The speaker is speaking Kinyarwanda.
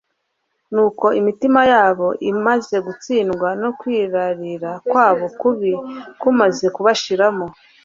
Nuko imitima yabo imaze gutsindwa no kwirarira kwabo kubi kumaze kubashiramo,